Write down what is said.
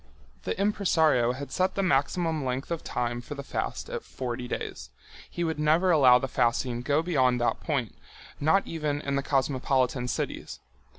The impresario had set the maximum length of time for the fast at forty days—he would never allow the fasting go on beyond that point, not even in the cosmopolitan cities.